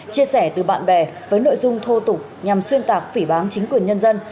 chia sẻ từ bạn bè với nội dung thô tục nhằm xuyên tạc phỉ bán chính quyền nhân dân